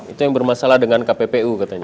itu yang bermasalah dengan kppu katanya